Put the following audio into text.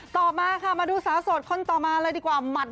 ต่อมามาดูสาวสดข้นต่อมาเลยก่อน